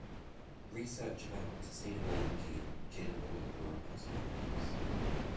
Research about sustainable energy in general or across different types.